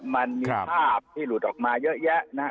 มันมีภาพที่หลุดออกมาเยอะแยะนะครับ